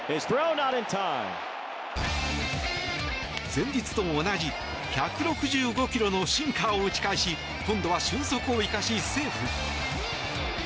前日と同じ１６５キロのシンカーを打ち返し今度は俊足を生かし、セーフ！